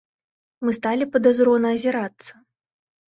Мы сталі падазрона азірацца.